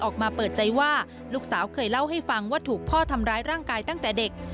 ออกมาเปิดใจว่าลูกสาวเคยเล่าให้ฟังว่าถูกพ่อทำร้ายร่างกายตั้งแต่เด็ก